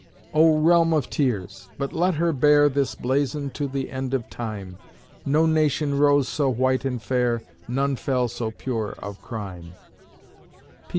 Oh, realm of tears! But let her bear This blazon to the end of time: No nation rose so white and fair, None fell so pure of crime.